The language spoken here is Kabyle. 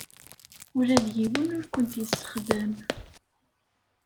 Ula d yiwen ur kent-yessexdam.